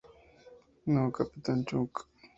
No, Captain Chunk!